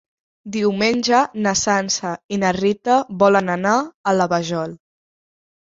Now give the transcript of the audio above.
Diumenge na Sança i na Rita volen anar a la Vajol.